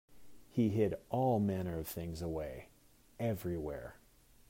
He hid all manner of things away, everywhere.